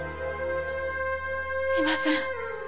いません。